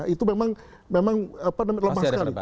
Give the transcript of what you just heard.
itu memang lemah sekali